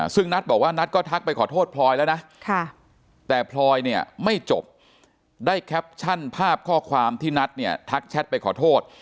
ซึ่งนัทบอกว่านัทก็ทักไปขอโทษพลอยแล้วนะแต่พลอยเนี่ยไม่จบได้แคปชั่นภาพข้อความที่นัทเนี่ยทักแชทไปขอโทษ